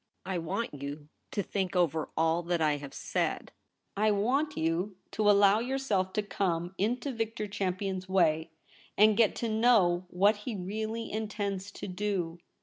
I want you to think over all that I have said ; I want you to allow yourself to come in Victor Champion's way, and get to know what he really intends to do.